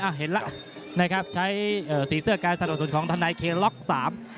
อ่ะเห็นล่ะนะครับใช้เอ่อสีเสื้อกลายสารอสดของทานายเคล็อคสาม